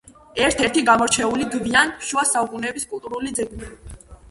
ერთ-ერთი გამორჩეული გვიან შუა საუკუნეების კულტურული ძეგლი.